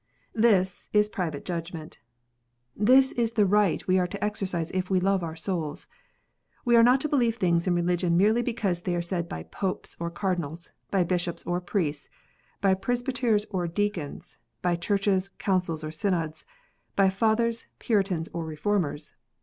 This is private judgment. This is the right we are to exercise if we love our souls. We are not to believe things in religion merely because they are said by Popes or Cardinals, by Bishops or Priests, by Presbyters or Deacons, by Churches, Councils, or Synods, by Fathers, Puritans, or Reformers.